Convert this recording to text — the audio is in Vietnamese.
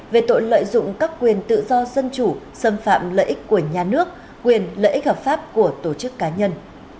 về tội lợi dụng các quyền tự do dân chủ xâm phạm lợi ích của nhà nước quyền lợi ích hợp pháp của tổ chức cá nhân